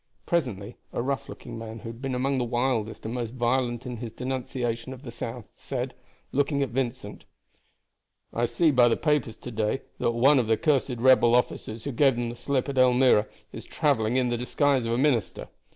Presently a rough looking man who had been among the wildest and most violent in his denunciation of the South said, looking at Vincent: "I see by the papers to day that one of the cursed rebel officers who gave them the slip at Elmira is traveling in the disguise of a minister.